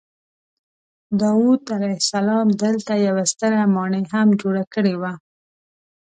داود علیه السلام دلته یوه ستره ماڼۍ هم جوړه کړې وه.